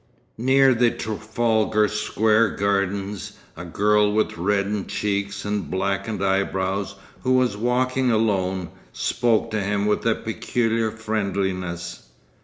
Near the Trafalgar Square gardens, a girl with reddened cheeks and blackened eyebrows, who was walking alone, spoke to him with a peculiar friendliness.